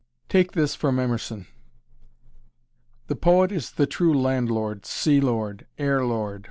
Take this from Emerson: "The poet is the true landlord, sea lord, air lord!